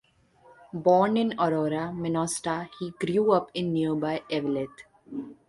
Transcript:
Born in Aurora, Minnesota, he grew up in nearby Eveleth.